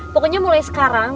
pokoknya mulai sekarang